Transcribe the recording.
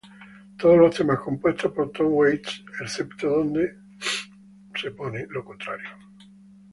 Todas los temas compuestos por Tom Waits excepto donde se anota.